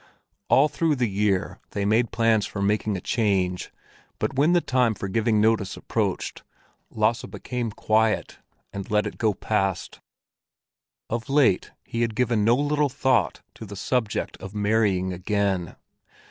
All through the year they made plans for making a change, but when the time for giving notice approached, Lasse became quiet and let it go past. Of late he had given no little thought to the subject of marrying again.